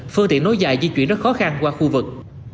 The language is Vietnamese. phương tiện nối dài di chuyển rất khó khăn qua khu vực